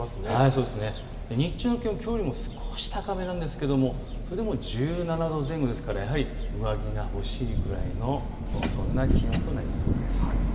日中の気温、きょうよりも少し高めなんですがそれでも１７度前後ですから上着が欲しいくらいのそんな気温となりそうです。